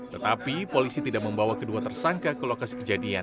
tetapi polisi tidak membawa kedua tersangka ke lokasi kejadian